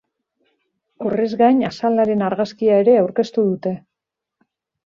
Horrez gain, azalaren argazkia ere aurkeztu dute.